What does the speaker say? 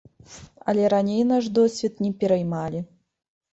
Але раней наш досвед не пераймалі.